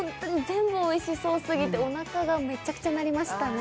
全部おいしそうすぎておなかがめちゃくちゃ鳴りましたね。